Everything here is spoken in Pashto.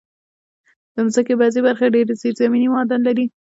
د مځکې بعضي برخې ډېر زېرزمینې معادن لري.